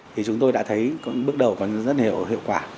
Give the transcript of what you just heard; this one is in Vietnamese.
thì chúng tôi đã thấy bước đầu còn rất hiệu quả